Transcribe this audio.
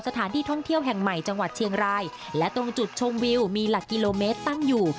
สถานที่ท่องเที่ยวแห่งใหม่จังหวัดเชียงรายและตรงจุดชมวิวมีหลักกิโลเมตรตั้งอยู่